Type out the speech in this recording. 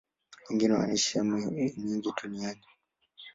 Wengine wanaishi sehemu nyingi duniani.